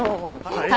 はい？